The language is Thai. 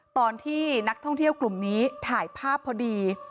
ตอนที่นักท่องเที่ยวกลุ่มนี้ถ่ายภาพพอดี